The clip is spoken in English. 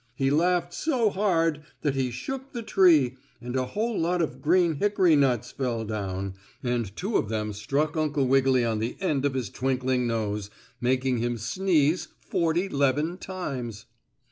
He laughed so hard that he shook the tree, and a whole lot of green hickory nuts fell down, and two of them struck Uncle Wiggily on the end of his twinkling nose, making him sneeze forty 'leven times.